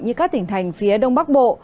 như các tỉnh thành phía đông bắc bộ